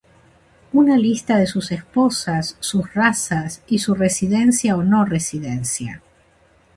Una lista de sus esposas, sus razas y su residencia o no residencia.